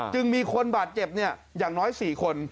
จึงมีคนบาดเจ็บอย่างน้อย๔คน